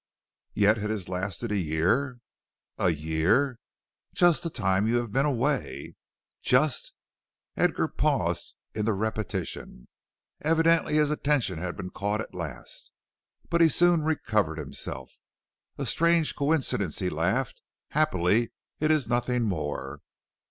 "Yet it has lasted a year." "A year?" "Just the time you have been away." "Just " Edgar paused in the repetition. Evidently his attention had been caught at last. But he soon recovered himself. "A strange coincidence," he laughed. "Happily it is nothing more."